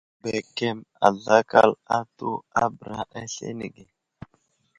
Bəkəm azlakal atu a bəra aslane ge.